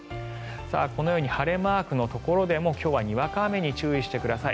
このように晴れマークのところでも今日はにわか雨に注意してください。